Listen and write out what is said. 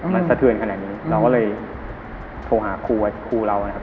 มันสะเทือนขนาดนี้เราก็เลยโทรหาครูเรานะครับ